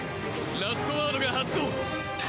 ラストワードが発動。